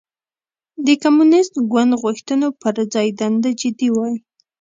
د کمونېست ګوند غوښتنو پر ځای دنده جدي وای.